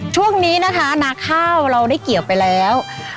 ช่วงนี้นะคะนาข้าวเราได้เกี่ยวไปแล้ว